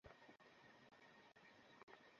হেই, Devaraju!